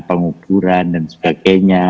pengukuran dan sebagainya